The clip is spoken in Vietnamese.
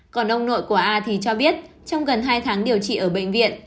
còn ông nội của a thì cho biết trong gần hai tháng điều trị ở bệnh viện